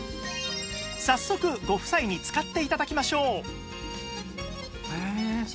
早速ご夫妻に使って頂きましょう